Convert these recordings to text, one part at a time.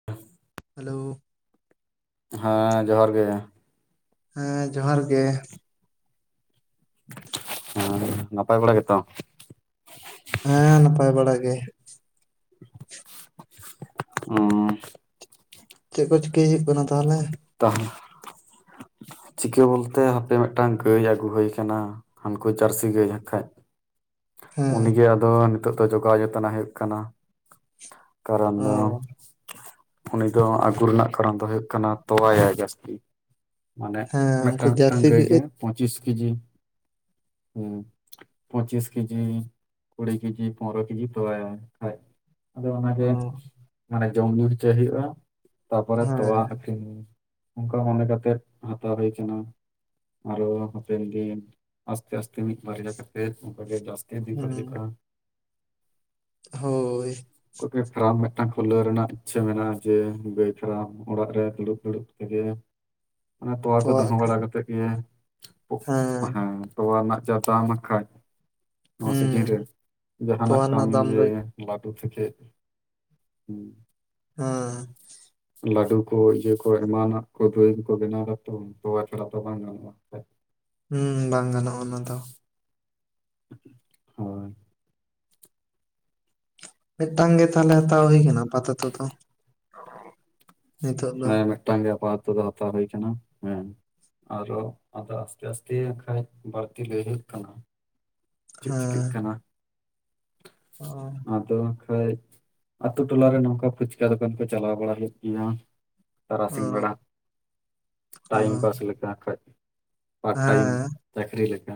[inaudible] Hello ᱦᱮᱸ ᱡᱚᱦᱟᱨ ᱜᱮ᱾ ᱦᱮᱸ ᱡᱚᱦᱟᱨ ᱜᱮ ᱦᱮᱸ ᱱᱟᱯᱟᱭ ᱵᱟᱲᱟ ᱜᱮᱛᱚ ᱦᱮᱸ ᱱᱟᱯᱟᱭ ᱵᱟᱲᱟ ᱜᱮ [unintelligible] ᱪᱮᱫ ᱠᱚ ᱪᱤᱠᱟᱹᱭ ᱦᱩᱭᱩᱜ ᱠᱟᱱᱟ ᱛᱟᱦᱞᱮ ᱛᱟᱸᱦᱟ ᱪᱤᱠᱟᱹ ᱵᱚᱞᱛᱮ ᱦᱟᱯᱮ ᱢᱤᱫᱴᱟᱝ ᱜᱟᱹᱭ ᱟᱹᱜᱩ ᱦᱩᱭ ᱟᱠᱟᱱᱟ᱾ ᱦᱟᱱᱠᱩ ᱡᱟᱹᱨᱥᱤ ᱜᱟᱹᱭ ᱦᱟᱸᱜ ᱠᱷᱟᱡᱽ ᱦᱮᱸ ᱩᱱᱤᱜᱮ ᱟᱫᱚ ᱱᱤᱛᱚᱜ ᱫᱚ ᱡᱚᱜᱟᱣ ᱡᱚᱛᱚᱱᱮ ᱦᱩᱭᱩᱜ ᱠᱟᱱᱟ᱾ ᱠᱟᱨᱚᱱ ᱫᱚ ᱚ ᱩᱱᱤ ᱫᱚ ᱟᱹᱜᱩ ᱨᱮᱱᱟᱜ ᱠᱟᱨᱚᱱ ᱫᱚ ᱦᱩᱭᱩᱜ ᱠᱟᱱᱟ ᱛᱚᱣᱟᱭᱟᱭ ᱡᱟᱹᱥᱛᱤ ᱢᱟᱱᱮ ᱦᱮᱸ ᱩᱱᱠᱩ ᱢᱤᱫᱴᱟᱝ ᱢᱤᱫᱴᱟᱝ ᱡᱟᱹᱨᱥᱤ ᱜᱟᱹᱭ ᱜᱮ ᱯᱚᱸᱪᱤᱥ ᱠᱮᱡᱤ ᱦᱩᱸ ᱯᱚᱸᱪᱤᱥ ᱠᱤᱡᱤ ᱠᱩᱲᱤ ᱠᱤᱡᱤ ᱯᱚᱱᱨᱚ ᱠᱤᱡᱤ ᱛᱚᱞᱟ ᱭᱟᱭ ᱟᱫᱚ ᱚ ᱚᱱᱟᱜᱮ ᱢᱟᱱᱮ ᱡᱚᱢ ᱧᱩ ᱦᱚᱪᱚᱭ ᱦᱩᱭᱩᱜᱼᱟ, ᱛᱟᱯᱚᱨᱮ ᱦᱮᱸ ᱛᱚᱣᱟ ᱚᱱᱠᱟ ᱢᱚᱱᱮ ᱠᱟᱛᱮ ᱦᱟᱛᱟᱣ ᱦᱩᱭ ᱟᱠᱟᱱᱟ᱾ ᱟᱨᱦᱚᱸ ᱦᱟᱯᱮᱱ ᱫᱤᱱ ᱟᱥᱛᱮ ᱟᱥᱛᱮ ᱢᱤᱫ ᱵᱟᱨᱭᱟ ᱠᱟᱛᱮ ᱚᱱᱠᱟ ᱜᱮ ᱡᱟᱥ ᱦᱩᱸ [unintelligible] ᱦᱳᱭ ᱠᱩᱞᱴᱤ ᱯᱷᱟᱨᱟᱢ ᱢᱤᱫᱴᱟᱝ ᱠᱷᱩᱞᱟᱹᱣ ᱨᱮᱱᱟᱜ ᱤᱪᱪᱷᱟᱹ ᱢᱮᱱᱟᱜᱼᱟ ᱡᱮ ᱜᱟᱹᱭ ᱯᱷᱟᱨᱟᱢ ᱚᱲᱟᱜ ᱨᱮ ᱫᱩᱲᱩᱵ ᱫᱩᱲᱩᱵ ᱛᱮᱜᱮ ᱢᱟᱱᱮ ᱛᱚᱣᱟ ᱠᱚ ᱫᱚᱦᱚᱣ ᱵᱟᱲᱟ ᱠᱟᱛᱮ ᱜᱮ ᱾ ᱦᱮᱸ ᱛᱚᱣᱟ ᱨᱮᱱᱟᱜ ᱡᱟ ᱫᱟᱢᱦᱟᱠᱷᱟᱡ ᱱᱚᱣᱟ ᱥᱤᱡᱤᱱ ᱦᱩᱸ ᱨᱮᱱ ᱡᱟᱦᱟᱱᱟᱜ ᱛᱚᱣᱟ ᱨᱮᱱᱟᱜ ᱠᱟᱹᱢᱤ ᱫᱟᱢ ᱫᱚ ᱜᱮ ᱵᱟᱴᱩ ᱛᱷᱮᱠᱮ ᱦᱩᱸ ᱦᱮᱸ ᱞᱟᱰᱩ ᱠᱳᱭ ᱤᱭᱟᱹ ᱠᱚ ᱮᱢᱟᱱᱟᱜ ᱠᱚ ᱫᱚᱭ ᱠᱚ ᱵᱮᱱᱟᱣ ᱠᱟᱛᱮ ᱛᱚᱣᱟ ᱥᱟᱞᱟᱜ ᱫᱚ ᱵᱟᱝ ᱜᱟᱱᱚᱜᱼᱟ᱾ ᱦᱩᱸ ᱵᱟᱝ ᱜᱟᱱᱚᱜᱼᱟ ᱚᱱᱟ ᱫᱚ ᱦᱳᱭ ᱢᱤᱫᱴᱟᱝ ᱜᱮ ᱛᱟᱦᱞᱮ ᱦᱟᱛᱟᱣ ᱦᱩᱭ ᱠᱟᱱᱟ ᱟᱯᱟ ᱛᱚᱛᱚ ᱫᱚ ᱱᱤᱛᱚᱜ ᱫᱚ ᱦᱮᱸ ᱢᱤᱫᱴᱟᱝ ᱜᱮ ᱟᱯᱟᱛᱚᱛᱚ ᱫᱚ ᱦᱟᱛᱟᱣ ᱦᱩᱭ ᱠᱟᱱᱟ ᱦᱮᱸ ᱟᱨᱚ ᱟᱫᱚ ᱟᱥᱛᱮ ᱟᱥᱛᱮ ᱠᱷᱟᱡᱽ ᱵᱟᱹᱲᱛᱤ ᱞᱟᱹᱭ ᱦᱩᱭᱩᱜ ᱠᱟᱱᱟ ᱪᱮᱫ ᱪᱤᱠᱟᱹᱜ ᱠᱟᱱᱟ ᱦᱚᱸ ᱟᱫᱚ ᱦᱟᱸᱜ ᱠᱷᱟᱡ ᱟᱛᱳ ᱴᱚᱞᱟᱨᱮ ᱱᱚᱝᱠᱟ ᱯᱷᱩᱪᱠᱟ ᱫᱚᱠᱟᱱ ᱠᱚ ᱪᱟᱞᱟᱣ ᱵᱟᱲᱟ ᱞᱮᱫ ᱜᱮᱭᱟ ᱚ ᱛᱟᱨᱟᱥᱤᱧ ᱵᱮᱲᱟ ᱚ ᱴᱟᱭᱤᱢ ᱯᱟᱥ ᱞᱮᱠᱟ ᱠᱷᱟᱡ ᱯᱟᱴ ᱴᱟᱭᱤᱢ ᱪᱟᱹᱠᱨᱤ ᱞᱮᱠᱟ,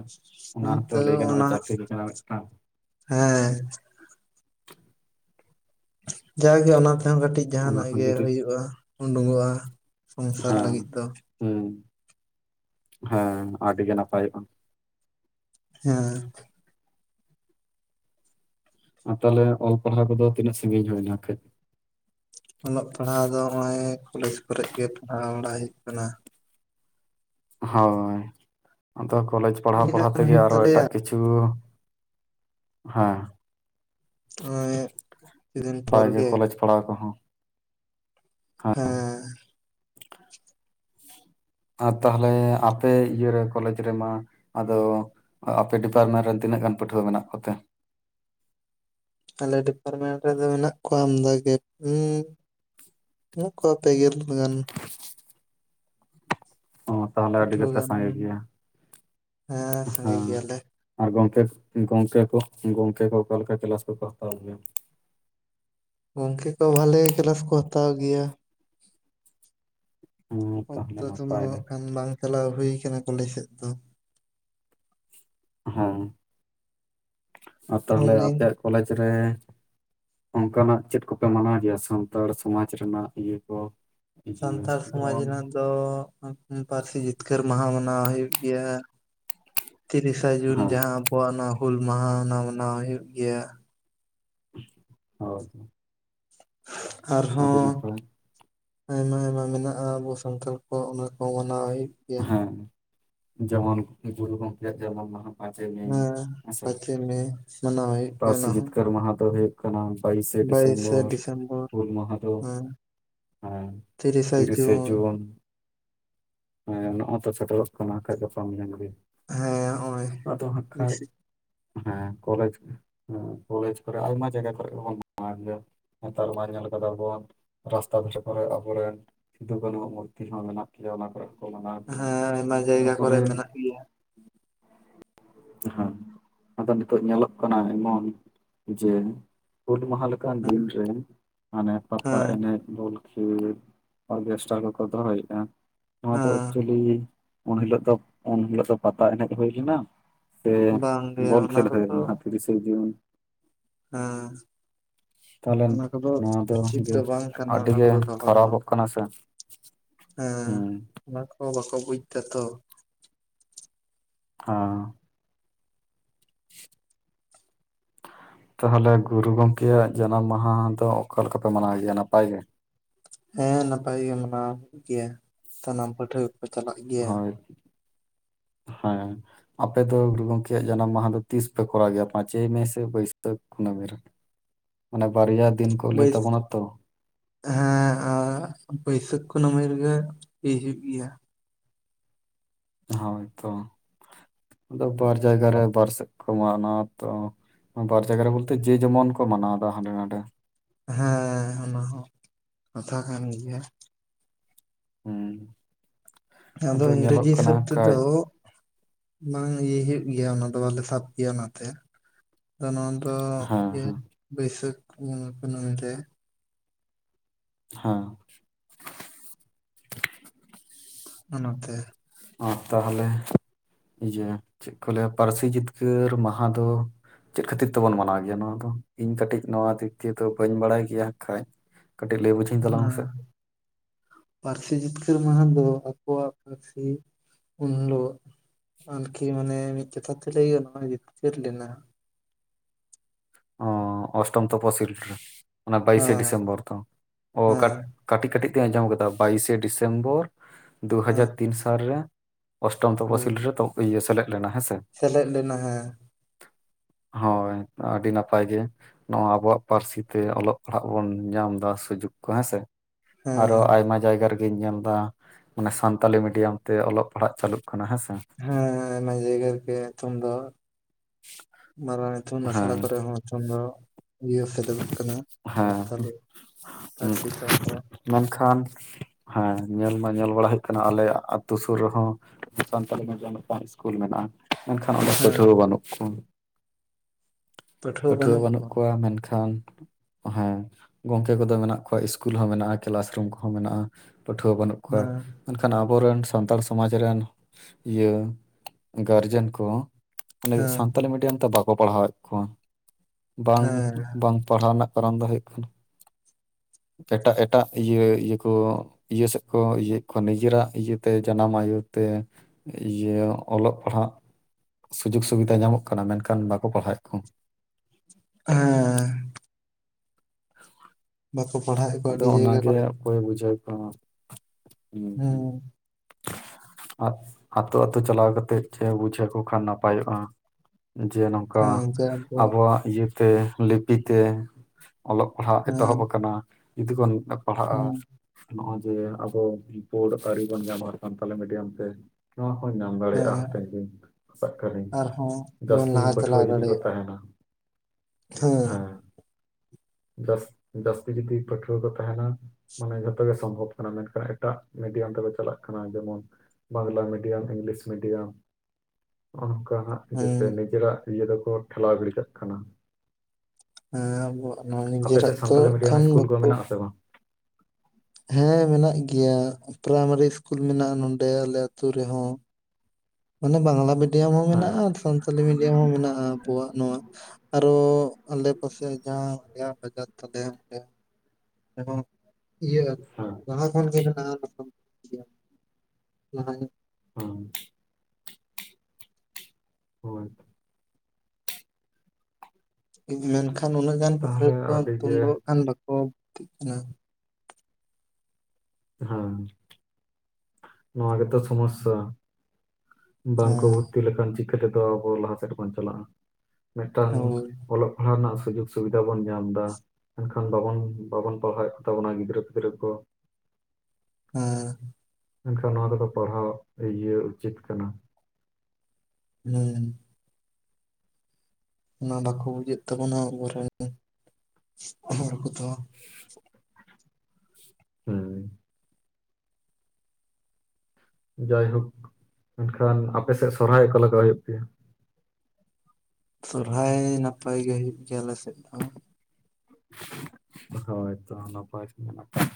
ᱚᱱᱟ ᱦᱮᱸ ᱦᱚᱸᱛᱚ ᱛᱚ ᱞᱟᱹᱭ ᱜᱟᱱᱚᱜᱼᱟ ᱚᱱᱟ ᱪᱟᱹᱠᱨᱤ ᱜᱮ ᱠᱟᱱᱟ ᱢᱤᱫᱴᱟᱝ ᱾ ᱦᱮᱸ ᱡᱟᱜᱮ ᱚᱱᱟ ᱛᱮᱦᱚᱸ ᱠᱟᱹᱴᱤᱡ ᱚᱱᱟ ᱡᱟᱦᱟᱱᱟᱜ ᱦᱚᱸ ᱜᱮ ᱡᱩᱫᱤ ᱦᱩᱭᱩᱜᱼᱟ ᱩᱰᱩᱝᱚᱜᱼᱟ ᱥᱚᱝᱥᱟᱨ ᱦᱮᱸ ᱞᱟᱹᱜᱤᱫ ᱫᱚ ᱦᱮᱸ ᱦᱮᱸ ᱟᱹᱰᱤ ᱜᱮ ᱱᱟᱯᱟᱭᱚᱜᱼᱟ᱾ ᱦᱮᱸ ᱟᱨ ᱛᱟᱦᱞᱮ ᱚᱞ ᱯᱟᱲᱦᱟᱣ ᱠᱚᱫᱚ ᱛᱤᱱᱟᱹᱜ ᱥᱟᱺᱜᱤᱧ ᱦᱩᱭᱱᱟ ᱦᱟᱜ ᱠᱷᱟᱹᱡ ᱚᱞᱚᱜ ᱯᱟᱲᱦᱟᱣ ᱫᱚ ᱦᱚᱸᱜᱼᱚᱭ ᱠᱚᱞᱮᱡᱽ ᱠᱚᱨᱮ ᱜᱮ ᱯᱟᱲᱦᱟᱣ ᱵᱟᱲᱟᱭ ᱦᱩᱭᱩᱜ ᱠᱟᱱᱟ ᱦᱳᱭ ᱟᱫᱚ ᱠᱚᱞᱮᱡᱽ ᱯᱟᱲᱦᱟᱣ ᱛᱤᱱᱟᱹᱜ ᱯᱟᱲᱦᱟᱣ ᱜᱟᱱ ᱛᱮᱜᱮ ᱦᱩᱭᱩᱜ ᱟᱨᱚ ᱛᱟᱞᱮᱭᱟ ᱮᱴᱟᱜ ᱠᱤᱪᱷᱩ ᱛᱚ ᱦᱮᱸ ᱦᱳᱭ‌ ᱠᱤᱪᱷᱩ ᱫᱤᱱ ᱱᱟᱯᱟᱭ ᱯᱚᱨ ᱜᱮ ᱠᱚᱞᱮᱡᱽ ᱯᱟᱲᱦᱟᱣ ᱠᱚᱦᱚᱸ ᱦᱮᱸ ᱟᱨ ᱛᱟᱦᱞᱮ ᱟᱯᱮ ᱤᱭᱟᱹᱨᱮ ᱠᱚᱞᱮᱡᱽ ᱨᱮᱢᱟ ᱟᱫᱚ ᱟᱯᱮ ᱰᱤᱯᱟᱨᱴᱢᱮᱱᱴ ᱨᱮᱱ ᱛᱤᱱᱟᱹᱜ ᱜᱟᱱ ᱯᱟᱹᱴᱷᱶᱟᱹ ᱢᱮᱱᱟᱜ ᱠᱚᱛᱮ? ᱟᱞᱮ ᱰᱤᱯᱟᱨᱢᱮᱱᱴ ᱨᱮᱫᱚ ᱤᱱᱟᱹᱜ ᱠᱚᱢ ᱫᱚ ᱡᱮ ᱱᱤ ᱦᱩᱭᱩᱜ-ᱟ ᱠᱚ ᱯᱮᱜᱮᱞ ᱜᱟᱱ ᱚ, ᱛᱟᱦᱞᱮ ᱟᱹᱰᱤ ᱜᱮ ᱯᱟᱹᱴᱷᱩᱣᱟᱹ ᱯᱮ ᱜᱟᱱ ᱥᱟᱸᱜᱮ ᱜᱮᱭᱟ, ᱥᱟᱸᱜᱮ ᱦᱮᱸ ᱜᱮᱭᱟᱞᱮ ᱟᱨ ᱜᱚᱢᱠᱮ ᱜᱚᱝᱠᱮ ᱠᱚ, ᱜᱚᱢᱠᱮ ᱠᱚ ᱚᱠᱟᱮᱠᱟ ᱠᱮᱞᱟᱥ ᱠᱚᱠᱚ ᱦᱟᱛᱟᱣ ᱜᱮᱭᱟ ᱾ ᱜᱚᱝᱠᱮ ᱠᱚ ᱵᱷᱟᱞᱮ ᱠᱮᱞᱟᱥ ᱠᱚ ᱦᱟᱛᱟᱣ ᱜᱮᱭᱟ᱾ ᱦᱮᱸ ᱛᱟᱦᱚᱞᱮ ᱯᱨᱚᱛᱷᱚᱢ ᱱᱟᱯᱟᱭ ᱫᱚ ᱜᱮ ᱦᱜ ᱠᱷᱟᱱ ᱵᱟᱝ ᱪᱟᱞᱟᱣ ᱦᱩᱭᱩ ᱠᱟᱱᱟ ᱠᱚᱞᱮᱡᱽ ᱥᱮᱫ ᱫᱚ ᱾ ᱦᱚᱸ ᱟᱨ ᱛᱟᱦᱞᱮ ᱚᱱᱞᱟᱭᱤᱱ ᱟᱯᱮᱭᱟᱜ ᱠᱚᱞᱮᱡᱽ ᱨᱮ ᱚᱱᱠᱟᱱᱟᱜ ᱪᱮᱫ ᱠᱚᱯᱮ ᱢᱟᱱᱟᱣ ᱜᱮᱭᱟ, ᱥᱟᱱᱛᱟᱲ ᱥᱚᱢᱟᱡᱽ ᱨᱮᱱᱟᱜ ᱤᱭᱟᱹ ᱠᱚ ᱾ ᱥᱟᱱᱛᱟᱲ ᱥᱚᱢᱟᱡᱽ ᱨᱮᱱᱟᱜ ᱫᱚ ᱯᱟᱹᱨᱥᱤ ᱡᱤᱛᱠᱟᱹᱨ ᱢᱟᱦᱟ ᱢᱟᱱᱟᱣ ᱦᱩᱭᱩᱜ ᱜᱮᱭᱟ ᱾ ᱛᱤᱨᱤᱥᱟ ᱡᱩᱱ ᱦᱮᱸ ᱡᱟᱦᱟᱸ ᱟᱵᱚᱣᱟᱜ ᱚᱱᱟ ᱦᱩᱞ ᱢᱟᱦᱟ ᱚᱱᱟ ᱢᱟᱱᱟᱣ ᱦᱩᱭᱩᱜ ᱜᱮᱭᱟ ᱾ ᱦᱩᱭ ᱟᱨ ᱦᱚᱸ ᱱᱟᱯᱟᱭ ᱟᱭᱢᱟ ᱟᱭᱢᱟ ᱢᱮᱱᱟᱜᱼᱟ, ᱟᱵᱚ ᱥᱟᱱᱛᱟᱞ ᱠᱚᱣᱟᱜ ᱚᱱᱟ ᱠᱚ ᱢᱟᱱᱟᱣ ᱦᱩᱭᱩᱜ ᱜᱮᱭᱟ ᱾ ᱦᱮᱸ ᱡᱮᱢᱚᱱ ᱜᱩᱨᱩ ᱜᱚᱢᱠᱮᱭᱟᱜ ᱡᱟᱱᱟᱢ ᱢᱟᱦᱟᱸ ᱾ ᱯᱟᱪᱮᱭ ᱢᱮ ᱦᱮᱸ ᱦᱮᱸᱥᱮ, ᱯᱟᱸᱪᱮ ᱢᱮ ᱢᱟᱱᱟᱣ ᱦᱩᱭᱩᱜ ᱜᱮᱭᱟ ᱯᱟᱨᱥᱤ ᱚᱱᱟ ᱦᱚᱸ ᱡᱤᱛᱠᱟᱹᱨ ᱢᱟᱦᱟ ᱫᱚ ᱦᱩᱭᱩᱜ ᱠᱟᱱᱟ ᱵᱟᱭᱤᱥᱮ ᱵᱟᱭᱤᱥᱮ ᱰᱤᱥᱮᱢᱵᱚᱨ ᱰᱤᱥᱮᱢᱵᱚᱨ ᱦᱩᱞ ᱢᱟᱦᱟ ᱫᱚ ᱦᱮᱸ ᱦᱮᱸ ᱛᱤᱨᱤᱥᱮ ᱡᱩᱱ ᱦᱮᱸ, ᱱᱚᱜᱼᱚᱭ ᱛᱚ ᱥᱮᱴᱮᱨᱚᱜ ᱠᱟᱱᱟ ᱠᱷᱟᱡ ᱜᱟᱯᱟ ᱢᱮᱭᱟᱝ ᱜᱮ ᱦᱮᱸ ᱱᱚᱜᱼᱚᱭ ᱟᱫᱚ ᱦᱟᱸᱜᱠᱷᱟᱡ ᱦᱮᱸ ᱠᱚᱞᱮᱡᱽ ᱦᱮ ᱠᱚᱞᱮᱡᱽ ᱠᱚᱨᱮ, ᱟᱭᱢᱟ ᱡᱟᱭᱜᱟ ᱠᱚᱨᱮ ᱜᱮᱵᱚᱱᱭᱟ᱾ ᱱᱮᱛᱟᱨ ᱢᱟ ᱧᱮᱞ ᱠᱟᱫᱟ ᱵᱚᱱ, ᱨᱟᱥᱛᱟ ᱫᱷᱟᱨᱮ ᱠᱚᱨᱮ ᱟᱵᱚᱨᱮᱱ ᱥᱤᱫᱩ ᱠᱟᱹᱱᱦᱩ ᱣᱟᱜ ᱢᱩᱨᱛᱤ ᱦᱚᱸ ᱢᱮᱱᱟᱜ ᱜᱮᱭᱟ ᱚᱱᱟ ᱠᱚᱨᱮ᱾ [unintelligible] ᱦᱮᱸ ᱟᱭᱢᱟ ᱡᱟᱭᱜᱟ ᱛᱟᱨᱯᱚᱨ ᱠᱚᱨᱮ ᱢᱮᱱᱟᱜ ᱜᱮᱭᱟ ᱦᱟᱸ ᱟᱫᱚ ᱱᱤᱛᱚᱜ ᱧᱮᱞᱚᱜ ᱠᱟᱱᱟ ᱮᱢᱚᱱ ᱡᱮ ᱦᱩᱞ ᱢᱟᱦᱟ‌ ᱞᱮ ᱠᱟᱱ ᱦᱮᱸ ᱫᱤᱱ ᱨᱮ ᱢᱟᱱᱮ ᱯᱟᱛᱟ ᱦᱮᱸ ᱮᱱᱮᱡ ᱫᱚ ᱦᱩᱸ ᱚᱨᱜᱮᱥᱴᱟᱨ ᱠᱚᱠᱚ ᱫᱚᱦᱚᱭᱮᱜᱼᱟ᱾ ᱱᱚᱣᱟ ᱫᱚ ᱦᱮᱸ ᱮᱠᱪᱩᱭᱮᱞᱤ ᱩᱱᱦᱤᱞᱳ ᱫᱚ ᱩᱱ ᱦᱤᱞᱳ ᱫᱚ ᱯᱟᱛᱟ ᱮᱱᱮᱡ ᱦᱩᱭ ᱞᱮᱱᱟ ᱾ ᱥᱮ ᱵᱟᱝᱜᱮ ᱵᱚᱞ ᱚᱱᱟ ᱠᱷᱮᱹᱞ ᱠᱚᱫᱚ ᱦᱩᱭᱱᱟ ᱛᱤᱨᱤᱥᱮ ᱡᱩᱱ ᱦᱮᱸ ᱛᱟᱦᱞᱮ ᱚᱱᱟ ᱠᱚᱫᱚ ᱱᱚᱣᱟ ᱫᱚ ᱩᱪᱤᱛ ᱡᱮ ᱵᱟᱝ ᱠᱟᱱᱟ ᱚᱱᱟ ᱟᱹᱰᱤᱜᱮ ᱠᱚᱫᱚ ᱫᱚᱦᱚ ᱫᱚ ᱠᱷᱟᱨᱟᱯᱚᱜ ᱠᱟᱱᱟ ᱥᱮ ᱦᱮᱸ ᱦᱩᱸ ᱚᱱᱟ ᱠᱚ ᱵᱟᱠᱚ ᱵᱩᱡᱽᱫᱟ ᱛᱚ ᱦᱟᱸ [unintelligible] ᱛᱟᱦᱚᱞᱮ ᱜᱩᱨᱩ ᱜᱚᱢᱠᱮᱭᱟᱜ ᱡᱟᱱᱟᱢ ᱢᱟᱦᱟ ᱫᱚ ᱚᱠᱟ ᱞᱮᱠᱟ ᱯᱮ ᱢᱟᱱᱟᱣ ᱜᱮᱭᱟ, ᱱᱟᱯᱟᱭ ᱜᱮ? ᱦᱮᱸ ᱱᱟᱯᱟᱭ ᱜᱮ ᱢᱟᱱᱟᱣ ᱦᱩᱭᱩᱜ ᱜᱮᱭᱟ᱾ ᱥᱟᱱᱟᱢ ᱯᱟᱹᱴᱷᱣᱟᱹ ᱦᱳᱭ ᱦᱮᱸ, ᱟᱯᱮ ᱫᱚ ᱜᱩᱨᱩ ᱜᱚᱢᱠᱮᱭᱟᱜ ᱡᱟᱱᱟᱢ ᱢᱟᱦᱟ ᱫᱚ ᱛᱤᱥ ᱯᱮ ᱠᱚᱨᱟᱣ ᱜᱮᱭᱟ? ᱯᱟᱸᱪᱮᱭ ᱢᱮ ᱥᱮ ᱵᱟᱹᱭᱥᱟᱹᱠᱷ ᱠᱩᱱᱟᱹᱢᱤ ᱨᱮ? ᱢᱟᱱᱮ ᱵᱟᱨᱭᱟ ᱫᱤᱱ ᱠᱚ ᱞᱟᱹᱭ ᱵᱟᱹᱭ ᱛᱟᱵᱚᱱᱟ ᱛᱚ᱾ ᱦᱮᱸ ᱟᱨ ᱵᱟᱹᱭᱥᱟᱹᱠᱷ ᱠᱩᱱᱟᱹᱢᱤ ᱨᱮᱜᱮ ᱦᱤᱡᱩᱜ ᱜᱮᱭᱟ᱾ ᱦᱳᱭᱛᱚ, ᱟᱫᱚ ᱵᱟᱨ ᱡᱟᱭᱜᱟ ᱨᱮ ᱵᱟᱨ ᱥᱮᱫ ᱠᱚ ᱢᱟᱱᱟᱣ ᱟᱛᱚ᱾ ᱵᱟᱨ ᱡᱟᱭᱜᱟ ᱨᱮ ᱵᱚᱞᱛᱮ ᱡᱮ ᱡᱮᱢᱚᱱ ᱠᱚ ᱢᱟᱱᱟᱣ ᱮᱫᱟ ᱦᱟᱸᱰᱮ ᱱᱟᱰᱮ᱾ ᱦᱮᱸ ᱚᱱᱟ ᱦᱚᱸ ᱠᱟᱛᱷᱟ ᱠᱟᱱ ᱜᱮᱭᱟ᱾ ᱦᱮᱸ ᱟᱫᱚ ᱤᱝᱨᱮᱡᱤ ᱦᱤᱥᱟᱹᱵᱽ ᱛᱮ ᱫᱚ ᱠᱷᱟᱡ ᱵᱟᱝ ᱤᱭᱟᱹ ᱦᱩᱭᱩᱜ ᱜᱮᱭᱟ ᱚᱱᱟ ᱫᱚ ᱵᱟᱞᱮ ᱥᱟᱵ ᱜᱮᱭᱟ ᱚᱱᱟᱛᱮ ᱟᱫᱚ ᱛᱚ ᱦᱮᱸ ᱤᱭᱟᱹ ᱦᱮᱸ ᱵᱟᱹᱭᱥᱟᱹᱠ ᱠᱩᱱᱟᱹᱢᱤ ᱛᱮ᱾ ᱦᱮᱸ ᱚᱱᱟ ᱛᱮ, ᱟᱨ ᱛᱟᱦᱚᱞᱮ, ᱤᱭᱟᱹ ᱪᱮᱫ ᱠᱚ ᱞᱟᱹᱭᱟ ᱯᱟᱹᱨᱥᱤ ᱡᱤᱛᱠᱟᱹᱨ ᱢᱟᱦᱟ ᱫᱚ ᱪᱮᱫ ᱠᱷᱟᱹᱛᱤᱨ ᱛᱮᱵᱚᱱ ᱢᱟᱱᱟᱣ ᱜᱮᱭᱟ ᱱᱚᱣᱟ ᱫᱚ᱾ ᱤᱧ ᱠᱟᱹᱴᱤᱡ ᱱᱚᱣᱟ ᱫᱤᱠ ᱫᱤᱭᱮ ᱫᱚ ᱵᱟᱹᱧ ᱵᱟᱲᱟᱭ ᱜᱮᱭᱟ ᱠᱷᱟᱡ᱾ ᱠᱟᱹᱴᱤᱡ ᱞᱮᱭ ᱵᱩᱪᱷ ᱦᱮᱸ, ᱯᱟᱹᱨᱥᱤ ᱡᱤᱛᱠᱟᱹᱨ ᱢᱟᱦᱟ ᱫᱚ ᱟᱠᱚᱣᱟᱜ ᱯᱟᱹᱨᱥᱤ, ᱩᱱᱤᱞᱳᱜ᱾ ᱟᱨᱠᱤ ᱢᱟᱱᱮ ᱢᱤᱫ ᱠᱟᱛᱷᱟ ᱛᱮ ᱞᱟᱹᱭ ᱜᱟᱱᱚᱜᱟ ᱡᱮ ᱡᱤᱛᱠᱟᱹᱨ ᱞᱮᱱᱟ᱾ ᱚ ᱚᱥᱴᱚᱢ ᱛᱚᱯᱚ ᱥᱤᱞ ᱨᱮ ᱚᱱᱟ ᱵᱟᱭᱤᱥᱮ ᱦᱮᱸ ᱰᱤᱥᱮᱢᱵᱚᱨ ᱛᱚ ᱚᱠᱟᱴ ᱦᱮᱸ ᱠᱟᱹᱴᱤᱡ ᱠᱟᱹᱴᱤᱡ ᱛᱤᱧ ᱟᱸᱡᱚᱢ ᱟᱠᱟᱫᱟ᱾ ᱵᱟᱭᱤᱥᱮ ᱰᱤᱥᱮᱢᱵᱚᱨ ᱫᱩ ᱦᱮᱸ ᱦᱟᱡᱟᱨ ᱛᱤᱱ ᱥᱟᱞᱨᱮ᱾ ᱚᱥᱴᱚᱢ ᱦᱳᱭ ᱛᱚᱯᱚᱥᱤᱞ ᱨᱮ ᱛᱚ ᱤᱭᱟᱹ ᱥᱮᱞᱮᱫ ᱞᱮᱱᱟ ᱦᱮᱸᱥᱮ? ᱥᱮᱞᱮᱫ ᱞᱮᱱᱟ ᱦᱮᱸ᱾ ᱦᱳᱭ ᱟᱹᱰᱤ ᱱᱟᱞ ᱱᱟᱯᱟᱭ ᱜᱮ ᱱᱚᱣᱟ ᱟᱵᱚᱣᱟᱜ ᱯᱟᱹᱨᱥᱤ ᱛᱮ ᱚᱞᱚᱜ ᱯᱟᱲᱦᱟᱜ ᱵᱚᱱ ᱧᱟᱢ ᱮᱫᱟ᱾ ᱥᱩᱡᱳᱜᱽ ᱠᱚ ᱦᱮᱸᱥᱮ᱾ ᱟᱨᱚ ᱦᱮᱸ ᱟᱭᱢᱟ ᱡᱟᱭᱜᱟ ᱨᱮ ᱜᱤᱧ ᱧᱮᱞ ᱫᱟ᱾ ᱢᱟᱱᱮ ᱥᱟᱱᱛᱟᱞᱤ ᱢᱤᱰᱤᱭᱟᱢ ᱛᱮ ᱚᱞᱚᱜ ᱯᱟᱲᱦᱟᱜ ᱪᱟᱹᱞᱩᱜ ᱠᱟᱱᱟ᱾ ᱦᱮᱸᱥᱮ? ᱦᱮᱸ ᱟᱭᱢᱟ ᱡᱟᱭᱜᱟ ᱜᱮ ᱮᱠᱷᱚᱱ ᱫᱚ ᱢᱟᱨᱟᱝ ᱤᱛᱩᱱ ᱟᱥᱲᱟ ᱦᱮᱸ ᱠᱚᱨᱮ ᱦᱚᱸ᱾ [unintelligible] ᱫᱚ ᱤᱭᱟᱹ ᱥᱮᱞᱮᱫᱚᱜ ᱠᱟᱱᱟ᱾ ᱦᱮᱸ ᱥᱟᱱᱛᱟᱞᱤ ᱦᱩᱸ, ᱯᱟᱹᱨᱥᱤ ᱛᱟᱵᱚᱣᱟᱜ᱾ ᱢᱮᱱᱠᱷᱟᱱ ᱦᱮᱸ ᱧᱮᱞ ᱢᱟ ᱧᱮᱞ ᱵᱟᱲᱟ ᱦᱩᱭᱩᱜ ᱠᱟᱱᱟ ᱟᱞᱮᱭᱟᱜ ᱟᱛᱩ ᱥᱩᱨ ᱨᱮᱦᱚᱸ ᱥᱟᱱᱛᱟᱞᱤ ᱢᱤᱰᱤᱭᱟᱢ ᱢᱤᱫᱴᱟᱱ ᱤᱥᱠᱩᱞ ᱢᱮᱱᱟᱜᱼᱟ᱾ ᱢᱮᱱᱠᱷᱟᱱ ᱚᱸᱰᱮ ᱦᱮᱸ ᱯᱟᱹᱴᱷᱩᱣᱟᱹ ᱵᱟᱹᱱᱩᱜ ᱠᱚᱣᱟ᱾ ᱯᱟᱹᱴᱷᱩᱣᱟᱹ ᱵᱟᱹᱱᱩᱜ ᱠᱚᱣᱟ, ᱢᱮᱱᱠᱷᱟᱱ ᱦᱮᱸ ᱜᱚᱝᱠᱮ ᱠᱚᱫᱚ ᱢᱮᱱᱟᱜ ᱠᱚᱣᱟ᱾ ᱤᱥᱠᱩᱞ ᱦᱚᱸ ᱢᱮᱱᱟᱜᱼᱟ, ᱠᱮᱞᱟᱥᱨᱩᱢ ᱠᱚᱦᱚᱸ ᱢᱮᱱᱟᱜᱼᱟ, ᱯᱟᱹᱴᱷᱩᱣᱟᱹ ᱵᱟᱹᱱᱩᱜ ᱠᱟ, ᱦᱮᱸ ᱢᱮᱱᱠᱷᱟᱱ ᱟᱵᱚᱨᱮᱱ ᱥᱟᱱᱛᱟᱲ ᱥᱚᱢᱟᱡᱽ ᱨᱮᱱ, ᱤᱭᱟᱹ ᱜᱟᱨᱡᱮᱱ ᱠᱚ ᱢᱟᱱᱮ ᱦᱮᱸ ᱥᱟᱱᱛᱟᱞᱤ ᱢᱤᱰᱤᱭᱟᱢ ᱛᱮ ᱵᱟᱠᱚ ᱯᱟᱲᱦᱟᱣᱮᱫ ᱠᱚᱣᱟ ᱵᱟᱝ ᱦᱮᱸ ᱵᱟᱝ ᱯᱟᱲᱦᱟᱣ ᱨᱮᱱᱟᱜ ᱠᱟᱨᱚᱱ ᱫᱚ ᱦᱳᱭᱳᱜ ᱠᱟᱱᱟ ᱮᱴᱟᱜ ᱮᱴᱟᱜ, ᱤᱭᱟᱹ ᱤᱭᱟᱹ ᱠᱚ, ᱤᱭᱟᱹ ᱥᱮᱫ ᱠᱚ ᱤᱭᱟᱹ ᱠᱷᱚᱱ, ᱱᱤᱡᱮᱨᱟᱜ ᱤᱭᱟᱹ ᱛᱮ ᱡᱟᱱᱟᱢ ᱟᱭᱳ ᱛᱮ᱾ ᱤᱭᱟᱹ, ᱚᱞᱚᱜ ᱯᱟᱲᱦᱟᱜ ᱥᱩᱡᱳᱜ ᱥᱩᱵᱤᱫᱷᱟ ᱧᱟᱢᱚᱜ ᱠᱟᱱᱟ᱾ ᱢᱮᱱᱠᱷᱟᱱ ᱵᱟᱠᱚ ᱯᱟᱲᱦᱟᱣᱮᱫ ᱠᱚ᱾ ᱦᱮᱸᱻ ᱵᱟᱠᱚ ᱯᱟᱲᱦᱟᱜ ᱟᱫᱚ ᱚᱱᱟᱜᱮ ᱚᱠᱚᱭ ᱵᱩᱡᱷᱟᱹᱣ ᱠᱚᱣᱟ᱾ ᱦᱩᱸ ᱦᱩᱸ ᱦᱮᱸ ᱟᱛᱳ ᱟᱛᱳ ᱪᱟᱞᱟᱣ ᱠᱟᱛᱮ ᱪᱮᱫ ᱵᱩᱡᱷᱟᱹᱣᱠᱚ ᱠᱷᱟᱱ ᱱᱟᱯᱟᱭᱚᱜᱼᱟ᱾ ᱡᱮ ᱱᱚᱝᱠᱟ ᱦᱮᱸ ᱡᱮ ᱟᱵᱚᱣᱟᱜ ᱤᱭᱟᱹᱛᱮ ᱞᱤᱯᱤ ᱛᱮ ᱚᱞᱚᱜ ᱯᱟᱲᱦᱟᱜ ᱦᱮᱸ ᱮᱛᱚᱦᱚᱵ ᱟᱠᱟᱱᱟ ᱡᱩᱫᱤ [unintelligible] ᱯᱟᱲᱦᱟᱜᱼᱟ ᱦᱮᱸ ᱱᱚᱜᱼᱚᱭ ᱡᱮ ᱟᱵᱚ ᱨᱤᱯᱳᱰ ᱟᱹᱣᱨᱤ ᱵᱚᱱ ᱧᱟᱢᱼᱟ, ᱥᱟᱱᱛᱟᱞᱤ ᱢᱤᱰᱤᱭᱟᱢ ᱛᱮ ᱱᱚᱣᱟ ᱦᱚᱸ ᱧᱟᱢ ᱫᱟᱲᱮᱭᱟᱜᱼᱟ᱾ ᱦᱮᱸ ᱦᱟᱯᱮᱱ ᱫᱤᱱ ᱟᱥᱟᱜ ᱠᱟᱹᱱᱤᱧ ᱟᱨᱦᱚᱸ ᱵᱚᱱ ᱡᱟᱹᱥᱛᱤ ᱞᱟᱦᱟ ᱪᱟᱞᱟᱣ ᱯᱟᱹᱴᱷᱩᱣᱟᱹ ᱡᱩᱫᱤ ᱠᱚ ᱫᱟᱲᱮᱭᱟᱜᱼᱟ ᱛᱟᱦᱮᱱᱟ [inaudible] [unintelligible] ᱡᱟᱥ ᱡᱟᱹᱥᱛᱤ ᱡᱩᱫᱤ ᱯᱟᱹᱴᱷᱩᱣᱟᱹ ᱠᱚ ᱛᱟᱦᱮᱱᱟ ᱢᱟᱱᱮ ᱡᱷᱚᱛᱚ ᱜᱮ ᱥᱚᱢᱵᱷᱚᱵ ᱠᱟᱱᱟ᱾ ᱢᱮᱱᱠᱷᱟᱱ ᱮᱴᱟᱜ ᱢᱤᱰᱤᱭᱟᱢ ᱛᱮᱠᱚ ᱪᱟᱞᱟᱜ ᱠᱟᱱᱟ ᱡᱮᱢᱚᱱ ᱵᱟᱝᱞᱟ ᱢᱤᱰᱤᱭᱟᱢ, ᱤᱝᱞᱤᱥ ᱢᱤᱰᱤᱭᱟᱢ ᱚᱱᱠᱟ ᱦᱟᱸᱜ ᱡᱟᱛᱮ ᱦᱮᱸ ᱱᱤᱡᱮᱨᱟᱜ ᱤᱭᱟᱹ ᱫᱚᱠᱚ ᱴᱷᱮᱞᱟᱣ ᱜᱤᱰᱤ ᱠᱟᱜ ᱠᱟᱱᱟ᱾ ᱦᱮᱸ ᱟᱵᱚᱣᱟᱜ ᱱᱚᱣᱟ ᱱᱤᱡᱮᱨᱟᱜ ᱫᱚ ᱠᱷᱟᱱ ᱵᱟᱠᱚ ᱦᱮᱸ ᱥᱮ ᱵᱟᱝ? ᱦᱮᱸ ᱢᱮᱱᱟᱜ ᱜᱮᱭᱟ᱾ ᱯᱨᱟᱭᱢᱟᱨᱤ ᱤᱥᱠᱩᱞ ᱢᱮᱱᱟᱜᱼᱟ, ᱱᱚᱰᱮ ᱟᱞᱮ ᱟᱛᱳ ᱨᱮᱦᱚᱸ᱾ ᱢᱟᱱᱮ ᱵᱟᱝᱞᱟ ᱢᱤᱰᱤᱭᱟᱢ ᱦᱚᱸ ᱦᱮᱸ ᱢᱮᱱᱟᱜᱼᱟ᱾ ᱥᱟᱱᱛᱟᱞᱤ ᱢᱤᱰᱤᱭᱟᱢ ᱦᱚᱸ ᱢᱮᱱᱟᱜᱼᱟ᱾ ᱟᱵᱚᱣᱟᱜ ᱱᱚᱣᱟ ᱟᱨᱚ ᱟᱞᱮ ᱯᱟᱥᱮ ᱡᱟᱦᱟᱸ ᱟᱞᱮᱭᱟᱜ ᱵᱟᱡᱟᱨ ᱛᱟᱞᱮ ᱚᱸᱰᱮ [unintelligible] ᱤᱭᱟᱹ ᱦᱮᱸ ᱞᱟᱦᱟ ᱠᱷᱚᱱ ᱜᱮ ᱢᱮᱱᱟᱜᱼᱟ᱾ [inaudible] ᱞᱟᱦᱟ ᱧᱚᱜ ᱦᱩᱸ ᱦᱳᱭ ᱢᱮᱱᱠᱷᱟᱱ ᱩᱱᱟᱹᱜ ᱜᱟᱱ ᱯᱟᱹᱴᱷᱩᱣᱟᱹ ᱛᱟᱦᱚᱞᱮ ᱫᱚ ᱱᱤᱛᱚᱝ ᱟᱹᱰᱤᱜᱮ ᱫᱚ ᱱᱟᱜ ᱠᱷᱟᱱ ᱵᱟᱠᱚ ᱵᱷᱳᱨᱛᱤ ᱠᱟᱱᱟ ᱾ ᱦᱮᱸ ᱱᱚᱣᱟ ᱜᱮᱛᱚ ᱥᱚᱢᱚᱥᱥᱟ ᱦᱮᱸ ᱵᱟᱝᱠᱚ ᱵᱷᱚᱨᱛᱤ ᱞᱮᱠᱷᱟᱱ ᱪᱤᱠᱟᱹ ᱛᱮ ᱫᱚ ᱟᱵᱚ ᱞᱟᱦᱟ ᱥᱮᱫ ᱵᱚᱱ ᱪᱟᱞᱟᱜᱼᱟ᱾ᱢᱤᱫᱴᱟᱝ ᱦᱳᱭ ᱚᱞᱚᱜ ᱯᱟᱲᱦᱟᱜ ᱨᱮᱱᱟᱜ ᱥᱩᱡᱳᱜᱽ ᱥᱩᱵᱤᱫᱷᱟ ᱵᱚᱱ ᱧᱟᱢ ᱫᱟ᱾ ᱮᱱᱠᱷᱟᱱ ᱵᱟᱵᱚᱱ ᱵᱟᱵᱚᱱ ᱯᱟᱲᱦᱟᱣᱮᱫ ᱠᱚᱛᱟ ᱵᱚᱱᱟ ᱜᱤᱫᱽᱨᱟᱹ ᱯᱤᱫᱽᱨᱟᱹ ᱠᱚ᱾ ᱦᱮᱸ ᱢᱮᱱᱠᱷᱟᱱ ᱱᱚᱣᱟ ᱠᱚᱫᱚ ᱯᱟᱲᱦᱟᱣ ᱤᱭᱟᱹ ᱩᱪᱤᱛ ᱠᱟᱱᱟ᱾ ᱦᱩᱸ ᱚᱱᱟ ᱵᱟᱠᱚ ᱵᱩᱡᱮᱜ ᱛᱟᱵᱚᱱᱟ ᱟᱵᱚ ᱨᱮᱱ ᱦᱚᱲ ᱠᱚᱫᱚ ᱦᱳᱭ ᱡᱟᱭᱦᱳᱠ ᱢᱮᱱᱠᱷᱟᱱ ᱟᱯᱮ ᱥᱮᱫ ᱥᱚᱨᱦᱟᱭ ᱚᱠᱟ ᱞᱮᱠᱟ ᱦᱳᱭᱳᱜ ᱜᱮᱭᱟ? ᱥᱚᱨᱦᱟᱭ ᱱᱟᱯᱟᱭ ᱜᱮ ᱦᱩᱭᱩᱜ ᱜᱮᱭᱟ ᱟᱞᱮ ᱥᱮᱫ ᱫᱚ᱾ ᱦᱳᱭᱛᱚ ᱱᱟᱯᱟᱭ [inaudible] ᱱᱟᱯᱟᱭ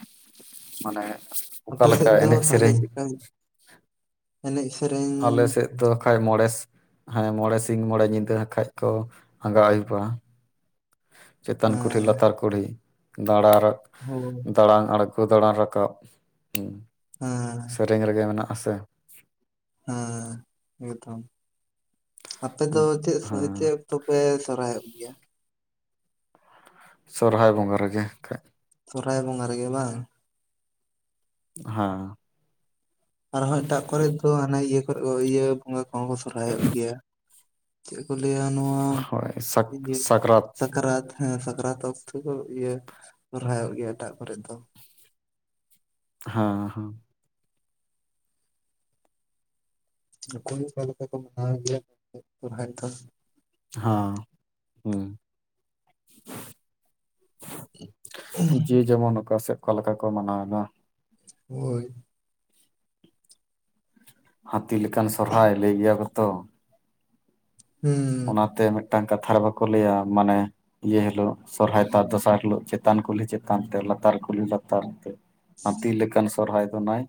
ᱢᱟᱱᱮ ᱚᱠᱟ ᱟᱯᱮ ᱞᱮᱠᱟ ᱥᱮᱫ ᱫᱚ ᱮᱱᱮᱡ ᱛᱟᱦᱚᱞᱮ ᱥᱮᱨᱮᱧ? ᱪᱮᱫᱠᱟ ᱮᱱᱮᱡ ᱥᱮᱨᱮᱧ ᱛᱚ ᱟᱠᱷᱟᱡ ᱢᱚᱲᱮ ᱦᱮᱸ ᱢᱚᱲᱮ ᱥᱤᱧ, ᱢᱚᱲᱮ ᱧᱤᱫᱟᱹ ᱟᱠᱷᱟᱡ ᱠᱚ ᱟᱸᱜᱟ ᱟᱹᱭᱩᱵᱟ᱾ ᱪᱮᱛᱟᱱ ᱦᱮᱸ ᱠᱩᱞᱦᱤ ᱞᱟᱛᱟᱨ ᱠᱩᱞᱦᱤ ᱫᱟᱲᱟ ᱨᱟ ᱦᱳ ᱫᱟᱲᱟᱱ ᱟᱲᱜᱚ ᱠᱚ ᱫᱟᱲᱟᱱ ᱨᱟᱠᱟᱵ, ᱦᱮᱸ ᱥᱮᱨᱮᱧ ᱨᱮᱜᱮ ᱢᱮᱱᱟᱜᱼᱟ ᱥᱮ ᱦᱮᱸ ᱮᱠᱫᱚᱢ᱾ ᱟᱯᱮ ᱫᱚ ᱪᱮᱫ ᱦᱮᱸ ᱥᱟᱤᱠᱮᱞ? ᱛᱚᱯᱮ ᱥᱚᱨᱦᱟᱭᱚᱜ ᱜᱮᱭᱟ ᱥᱚᱨᱦᱟᱭ ᱵᱚᱸᱜᱟ ᱨᱮᱜᱮ ᱟᱠᱷᱟᱡ ᱥᱚᱨᱦᱟᱭ ᱵᱚᱸᱜᱟ ᱨᱮ ᱜᱮ ᱵᱟᱝ? ᱦᱮᱸ ᱟᱨᱦᱚᱸ ᱮᱴᱟᱜ ᱠᱚᱨᱮᱡ ᱫᱚ ᱦᱟᱱᱟ ᱤᱭᱟᱹ ᱠᱚᱨᱮ ᱤᱭᱟᱹ ᱵᱚᱸᱜᱟ ᱠᱚᱦᱚᱸ ᱠᱚ ᱥᱚᱨᱦᱟᱭᱚᱜ ᱜᱮᱭᱟ᱾ ᱪᱮᱫ ᱠᱚ ᱞᱟᱹᱭᱟ ᱱᱚᱣᱟ ᱦᱳᱭ ᱥᱟᱠ ᱤᱭᱟᱹ ᱥᱟᱠᱨᱟᱛ ᱥᱟᱠᱨᱟᱛ ᱦᱮᱸ ᱥᱟᱠᱨᱟᱛ ᱚᱠᱛᱚ ᱠᱚ ᱤᱭᱟᱹ ᱥᱚᱨᱦᱟᱭᱚᱜ ᱜᱮᱭᱟ ᱮᱴᱟᱜ ᱠᱚᱨᱮ ᱫᱚ᱾ ᱦᱮᱸ ᱦᱮᱸ ᱱᱩᱠᱩ ᱜᱮ ᱚᱠᱟ ᱞᱮᱠᱟ ᱠᱚ ᱢᱟᱱᱟᱣ ᱜᱮᱭᱟ [unintelligible] ᱥᱚᱨᱦᱟᱭ ᱫᱚ ᱦᱚᱸ ᱦᱩᱸ ᱡᱮ ᱡᱮᱢᱚᱱ ᱚᱠᱟ ᱥᱮᱫ ᱚᱠᱟ ᱞᱮᱠᱟ ᱠᱚ ᱢᱟᱱᱟᱣ ᱮᱫᱟ᱾ ᱦᱳᱭᱹ ᱦᱟᱹᱛᱤ ᱞᱮᱠᱟᱱ ᱥᱚᱦᱨᱟᱭ ᱞᱟᱹᱭ ᱜᱮᱭᱟ ᱠᱚ ᱛᱚᱺ ᱦᱩᱸ ᱚᱱᱟᱛᱮ ᱢᱤᱫᱴᱟᱝ ᱠᱟᱛᱷᱟ ᱨᱮ ᱵᱟᱠᱚ ᱞᱟᱹᱭᱟ ᱢᱟᱱᱮ ᱤᱭᱟᱹ ᱦᱤᱞᱳᱜ ᱥᱚᱨᱦᱟᱭ ᱛᱟᱨ ᱫᱚᱥᱟᱨ ᱦᱤᱞᱳᱜ ᱪᱮᱛᱟᱱ ᱠᱩᱞᱦᱤ ᱪᱮᱛᱟᱱ ᱛᱮ ᱞᱟᱛᱟᱨ ᱠᱩᱞᱦᱤ ᱞᱟᱛᱟᱨ ᱛᱮᱹ ᱦᱟᱹᱛᱷᱤ ᱞᱮᱠᱟᱱ ᱥᱚᱨᱦᱟᱭ ᱫᱚ ᱱᱟᱭ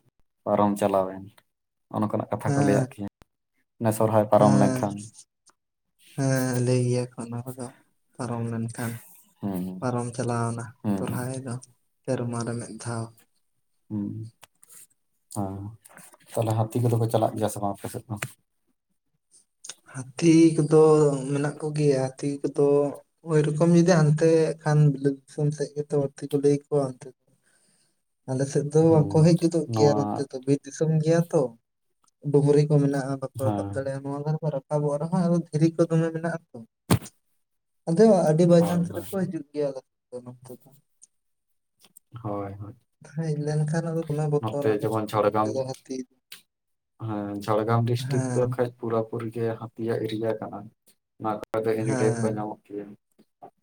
ᱯᱟᱨᱚᱢ ᱪᱟᱞᱟᱣᱮᱱ ᱱᱚᱜᱼᱚ ᱱᱚᱝᱠᱟᱱᱟᱜ ᱠᱟᱛᱷᱟ ᱠᱚ ᱦᱮᱸ ᱞᱟᱹᱭᱟᱜ ᱠᱤᱭᱟ ᱱᱮᱥ ᱥᱚᱦᱨᱟᱭ ᱦᱮᱸ ᱦᱮᱸ ᱞᱟᱹᱭ ᱜᱮᱭᱟᱠᱚ ᱚᱱᱟᱠᱚᱫᱚ ᱯᱟᱨᱚᱢ ᱞᱮᱱᱠᱷᱟᱱ ᱦᱩᱸ ᱯᱟᱨᱚᱢ ᱪᱟᱞᱟᱣᱱᱟ ᱦᱩᱸ ᱥᱚᱨᱦᱟᱭ ᱫᱚᱹ ᱥᱮᱨᱢᱟ ᱨᱮ ᱢᱤᱫ ᱫᱷᱟᱣ ᱩᱸ ᱦᱮᱸ ᱛᱚ ᱦᱟᱹᱛᱷᱤ ᱠᱚᱫᱚ ᱠᱚ ᱪᱟᱞᱟᱜ ᱜᱮᱭᱟ ᱥᱮ ᱵᱟᱝ ᱟᱯᱮ ᱥᱮᱫ ᱫᱚᱸ ᱦᱟᱹᱛᱷᱤ ᱠᱚᱫᱚ ᱢᱮᱱᱟᱜ ᱠᱚᱜᱮᱭᱟ ᱦᱟᱹᱛᱷᱤ ᱠᱚᱫᱚᱺ ᱳᱭᱨᱚᱠᱚᱢ ᱡᱩᱫᱤ ᱦᱟᱱᱛᱮ ᱠᱷᱟᱱ ᱵᱤᱞᱟ. ᱫ ᱫᱤᱥᱚᱢ ᱥᱮᱫ ᱜᱮᱛᱚ ᱵᱟᱹᱲᱛᱤ ᱠᱚ ᱞᱟᱹᱭ ᱠᱚᱣᱟ ᱦᱟᱱᱛᱮᱹᱹ ᱟᱞᱮ ᱥᱮᱫ ᱦᱩᱸ ᱫᱚᱠᱚ ᱦᱮᱡ ᱜᱚᱫᱚᱜ ᱜᱮᱭᱟ ᱱᱚᱣᱟ ᱱᱚᱛᱮ ᱫᱚ ᱵᱤᱨᱹ ᱫᱤᱥᱚᱢ ᱜᱮᱭᱟ ᱛᱚ ᱰᱩᱝᱨᱤ ᱠᱚ ᱢᱮᱱᱟᱜᱼᱟ ᱵᱟᱠᱚ ᱨᱟᱠᱟᱵ ᱦᱮᱸ ᱫᱟᱲᱮᱭᱟᱜᱼᱟ ᱱᱚᱣᱟ ᱠᱚᱫᱚ ᱠᱚ ᱨᱟᱠᱟᱵᱹᱹ ᱟᱵᱚᱜ ᱨᱮᱦᱚᱸ ᱟᱫᱚ ᱫᱷᱤᱨᱤ ᱠᱚ ᱫᱚ ᱢᱮᱱᱟᱜᱼᱟ ᱛᱚ ᱟᱫᱚ ᱟᱹᱰᱤ ᱦᱳᱭ ᱵᱟᱭᱪᱟᱱᱥ ᱦᱳᱭ ᱨᱮᱠᱚ ᱦᱤᱡᱩᱜ ᱯᱮᱭᱟ ᱠᱟᱛᱮᱫ ᱱᱚᱱᱛᱮ [inaudible] ᱦᱳᱭ ᱦᱳᱭᱹ ᱦᱮᱡ ᱞᱮᱱᱠᱷᱟᱱ ᱟᱫᱚ ᱫᱚᱢᱮ ᱵᱚᱛᱚᱨ ᱟᱞᱮ ᱡᱮᱢᱚᱱ ᱡᱷᱟᱲᱜᱨᱟᱢ ᱫᱚ ᱦᱟᱹᱛᱷᱤ ᱦᱮᱸ ᱡᱷᱟᱲᱜᱨᱟᱢ ᱰᱤᱥᱴᱤᱠ ᱫᱚ ᱦᱮᱸ ᱠᱷᱟᱡ ᱯᱩᱨᱟᱹᱯᱩᱨᱤ ᱡᱮ ᱦᱟᱹᱛᱷᱤᱭᱜ ᱮᱨᱤᱭᱟ ᱠᱟᱱᱟ ᱚᱱᱟ ᱠᱚᱨᱮ ᱫᱚ ᱮᱱᱤᱴᱮᱢ ᱠᱚ ᱧᱟᱢᱚᱜ ᱤᱭᱟᱹ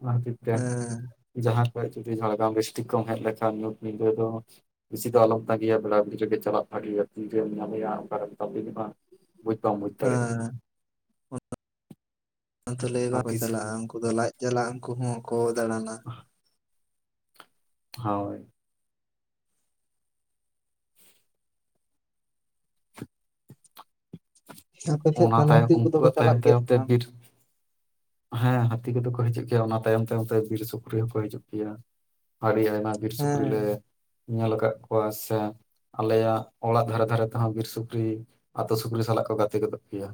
ᱚᱱᱟ ᱠᱷᱟᱹᱛᱤᱨ ᱛᱮ ᱮᱸ ᱡᱟᱦᱟᱸ ᱠᱷᱡ ᱡᱩᱫᱤ ᱡᱷᱟᱲᱜᱨᱟᱢ ᱰᱤᱥᱴᱤᱠ ᱠᱚ ᱦᱮᱡ ᱞᱮᱠᱷᱟᱱ ᱧᱤᱫᱟᱹ ᱫᱚᱹ ᱤᱥᱤ ᱫᱚ ᱟᱞᱚᱢ ᱚᱱᱮ ᱤᱱᱠᱟᱹ ᱜᱤᱭᱟ ᱵᱮᱲᱟ [unintelligible] ᱵᱤᱲᱤ ᱨᱮᱜᱮ ᱪᱟᱞᱟᱜ ᱵᱷᱟᱜᱮᱭᱟ ᱛᱤᱨᱮᱢ ᱧᱟᱢᱮᱭᱟ ᱚᱱᱠᱨᱮᱢ ᱠᱟᱢᱤ ᱡᱚᱢᱟᱢ ᱛᱟᱯᱤᱝᱜᱼᱟ ᱵᱩᱡ ᱵᱟᱢ ᱵᱩᱡ ᱦᱮᱸ ᱞᱟᱹᱭ ᱵᱟᱝᱠᱚ ᱦᱟᱹᱛᱤ ᱥ- ᱪᱟᱞᱟᱜᱼᱟ ᱩᱱᱠᱩ ᱫᱚ ᱞᱟᱡ ᱡᱟᱞᱟᱜ ᱩᱱᱠᱩ ᱦᱚᱸᱠᱚ ᱫᱟᱬᱟᱱᱟ ᱦᱳᱭ ᱟᱯᱮᱴᱷᱮᱡ ᱚᱱᱟ ᱛᱟᱦᱚᱞᱮ ᱛᱟᱭᱚᱢ ᱦᱟᱹᱛᱤ ᱠᱚᱫᱚ ᱠᱚ ᱩᱱᱠᱩᱣᱟᱜ ᱪᱟᱞᱟᱜ ᱛᱟᱭᱚᱢ ᱜᱮᱭᱟ ᱛᱟᱭᱚᱢ ᱥᱮ ᱛᱮ ᱵᱟᱝ? ᱵᱤᱨ ᱦᱮᱸ ᱦᱟᱹᱛᱤ ᱠᱚᱫᱚ ᱠᱚ ᱦᱤᱡᱩᱜ ᱜᱮᱭᱟ, ᱚᱱᱟ ᱛᱟᱭᱚᱢ ᱛᱟᱭᱚᱢ ᱛᱮ ᱵᱤᱨ ᱥᱩᱠᱨᱤ ᱦᱚᱸᱠᱚ ᱦᱤᱡᱩᱜ ᱜᱮᱭᱟ᱾ ᱟᱹᱰᱤ ᱟᱭᱢᱟ ᱵᱤᱨ ᱦᱮᱸ ᱥᱩᱠᱨᱤᱤᱞ ᱞᱮ ᱧᱮᱞ ᱟᱠᱟᱫ ᱠᱚᱣᱟ ᱥᱮ ᱟᱞᱮᱭᱟᱜ ᱚᱲᱟᱜ ᱫᱷᱟᱨᱮ ᱫᱷᱟᱨᱮ ᱛᱮᱦᱚᱸ ᱵᱤᱨ ᱥᱩᱠᱨᱤ ᱟᱛᱳ ᱥᱩᱠᱨᱤ ᱥᱟᱞᱟᱜ ᱠᱚ ᱜᱟᱛᱮ ᱜᱚᱫᱚᱜ ᱜᱮᱭᱟ